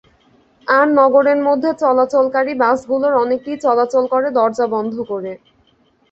আর, নগরের মধ্যে চলাচলকারী বাসগুলোর অনেকটিই চলাচল করে দরজা বন্ধ করে।